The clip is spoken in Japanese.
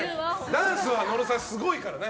ダンスは野呂さんすごいからね。